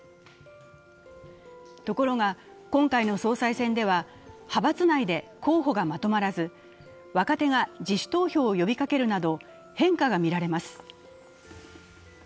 ところが今回の総裁選では派閥内で候補がまとまらず若手が自主投票を呼びかけるなど、変化が見られます。